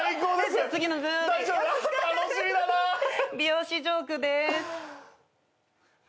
美容師ジョークです。